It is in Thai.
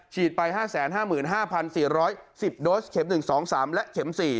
ไป๕๕๔๑๐โดสเข็ม๑๒๓และเข็ม๔